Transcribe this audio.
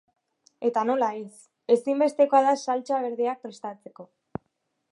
Eta, nola ez, ezinbestekoa da saltsa berdeak prestatzeko.